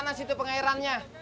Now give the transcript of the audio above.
kanjeng apa pengairannya